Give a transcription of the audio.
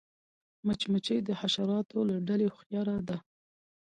مچمچۍ د حشراتو له ډلې هوښیاره ده